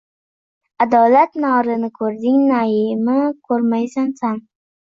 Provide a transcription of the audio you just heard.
Adolat norini koʻrding naimni koʻrmagaysan, san